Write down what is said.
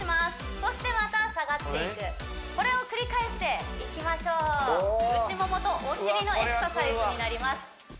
そしてまた下がっていくこれを繰り返していきましょう内ももとお尻のエクササイズになります